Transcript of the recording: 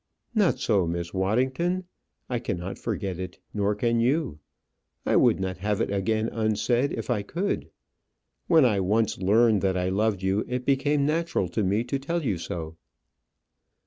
"Not so, Miss Waddington. I cannot forget it; nor can you. I would not have it again unsaid if I could. When I once learned that I loved you, it became natural to me to tell you so."